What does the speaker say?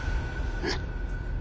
えっ⁉